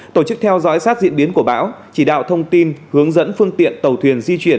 tổ chức theo dõi sát diễn biến của bão chỉ đạo thông tin hướng dẫn phương tiện tàu thuyền di chuyển